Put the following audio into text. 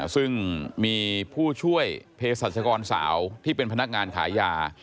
ซึ่งมีผู้ช่วยเพศรัชกรสาวที่เป็นพนักงานขายยา